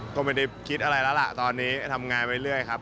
ก็ไม่ได้คิดอะไรแล้วล่ะตอนนี้ทำงานไปเรื่อยครับ